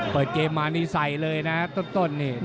เปิดเกมมานี่ใส่ต้น